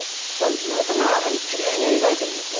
ずっと斜めにきれいに描いているんですね。